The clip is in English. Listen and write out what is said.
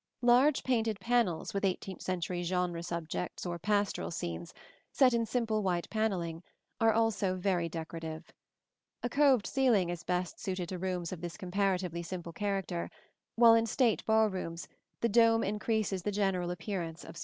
Large painted panels with eighteenth century genre subjects or pastoral scenes, set in simple white panelling, are also very decorative. A coved ceiling is best suited to rooms of this comparatively simple character, while in state ball rooms the dome increases the general appearance of splendor.